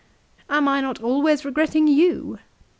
Am I not always re gretting you